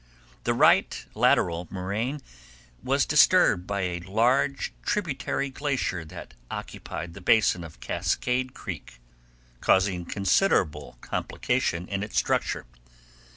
The right lateral moraine was disturbed by a large tributary glacier that occupied the basin of Cascade Creek, causing considerable complication in its structure.